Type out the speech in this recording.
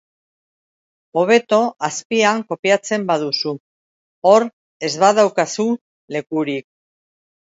Hobeto azpian kopiatzen baduzu, hor ez badaukazu lekurik.